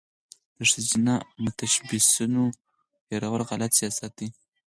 د ښځینه متشبثینو هیرول غلط سیاست دی.